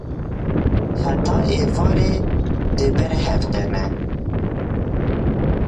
Heta êvarê di ber hev de ne.